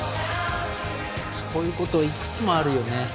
そういうこといくつもあるよね